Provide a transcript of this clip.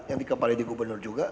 yang dikepali di gubernur juga